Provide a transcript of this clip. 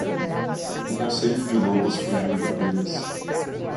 O conselho de lobos fugiu de ovelhas.